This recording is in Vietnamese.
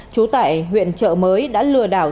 trú tại huyện trợ mới đã lừa đảo